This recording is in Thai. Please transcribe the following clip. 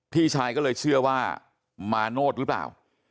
พี่ชายก็เลยเชื่อว่ามาโนธหรือเปล่า